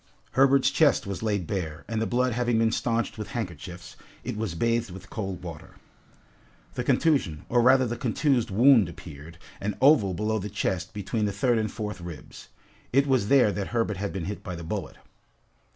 Herbert's chest was laid bare, and the blood having been stanched with handkerchiefs, it was bathed with cold water. The contusion, or rather the contused wound appeared, an oval below the chest between the third and fourth ribs. It was there that Herbert had been hit by the bullet.